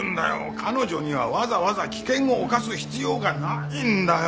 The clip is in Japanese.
彼女にはわざわざ危険を冒す必要がないんだよ。